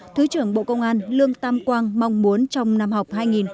thứ trưởng bộ công an lương tam quang mong muốn trong năm học hai nghìn hai mươi hai nghìn hai mươi